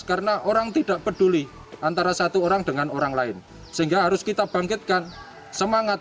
karena orang tidak peduli antara satu orang dengan orang lain sehingga harus kita bangkitkan semangat